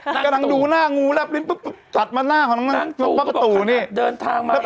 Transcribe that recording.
กำลังดูหน้างูรับลิ้นปุ๊บปุ๊บตัดมาหน้าของน้องน้องน้องป้าประตูนี่เดินทางมาแล้ว